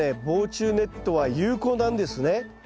防虫ネットは有効なんですね。